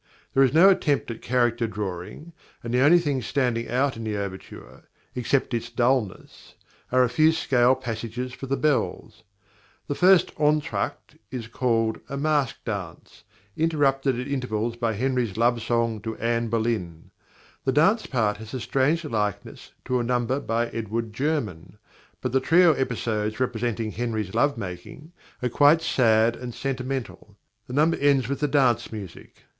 There is no attempt at character drawing, and the only things standing out in the overture, except its dullness, are a few scale passages for the bells. The first entr'acte is called "A Maske dance," interrupted at intervals by Henry's love song to Anne Boleyn. The dance part has a strange likeness to a number by Edward German, but the trio episodes representing Henry's love making are quite sad and sentimental. The number ends with the dance music.